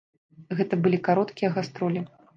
Гэта былі кароткія гастролі.